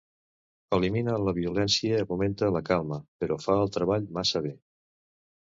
Elimina la violència i augmenta la calma, però fa el treball massa bé.